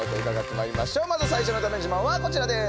まず最初のだめ自慢はこちらです。